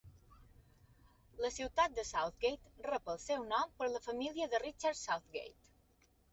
La ciutat de Southgate rep el seu nom per la família de Richard Southgate.